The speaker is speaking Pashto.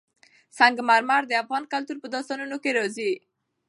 سنگ مرمر د افغان کلتور په داستانونو کې راځي.